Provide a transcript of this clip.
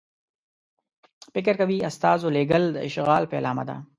فکر کوي استازو لېږل د اشغال پیلامه ده.